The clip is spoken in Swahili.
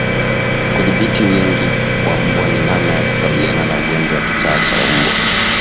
Kudhibiti wingi wa mbwa ni namna ya kukabiliana na ugonjwa wa kichaa cha mbwa